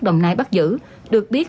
đồng nai bắt giữ được biết